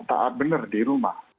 tak adil benar di rumah